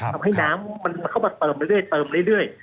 ทำให้น้ำมันเข้ามาเติมเรื่อย